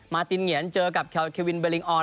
มาตินเหงียรเจอกับแควินเบอร์ลิงออน